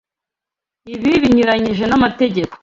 Ibi binyuranyije n'amategeko.